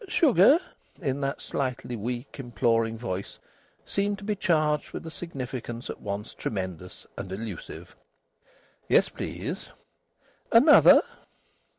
"Sugar?" in that slightly weak, imploring voice seemed to be charged with a significance at once tremendous and elusive. "Yes, please." "Another?"